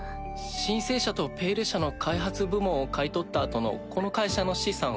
「シン・セー社」と「ペイル社」の開発部門を買い取ったあとのこの会社の資産は？